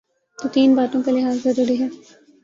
تو تین باتوں کا لحاظ ضروری ہے۔